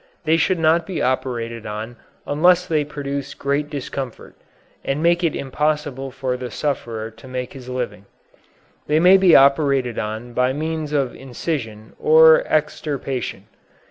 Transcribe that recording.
They should not be operated on unless they produce great discomfort, and make it impossible for the sufferer to make his living. They may be operated on by means of incision or extirpation.